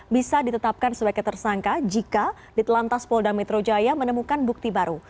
bisa ditetapkan sebagai tersangka jika ditelantas polda metro jaya menemukan bukti baru